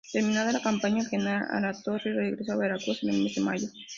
Terminada la campaña, el general Alatorre regresó a Veracruz en el mes de mayo.